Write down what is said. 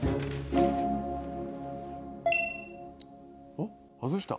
あっ外した！